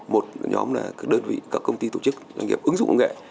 một nhóm là các đơn vị các công ty tổ chức doanh nghiệp ứng dụng công nghệ